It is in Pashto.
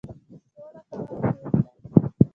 سوله کول خیر دی